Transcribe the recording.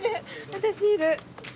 私いる。